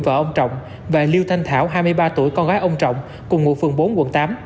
và ông trọng và liêu thanh thảo hai mươi ba tuổi con gái ông trọng cùng ngụ phường bốn quận tám